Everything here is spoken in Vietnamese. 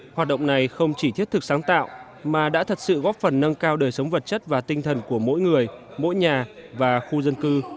hoạt động này không chỉ thiết thực sáng tạo mà đã thật sự góp phần nâng cao đời sống vật chất và tinh thần của mỗi người mỗi nhà và khu dân cư